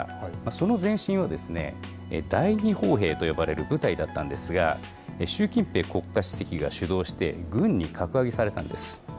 その前身は、第二砲兵と呼ばれる部隊だったんですが、習近平国家主席が主導して、軍に格上げされたんです。